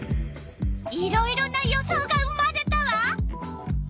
いろいろな予想が生まれたわ。